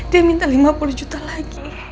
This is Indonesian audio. dia minta lima puluh juta lagi